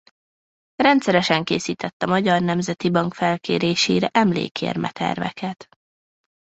Rendszeresen készített a Magyar Nemzeti Bank felkérésére emlékérme terveket.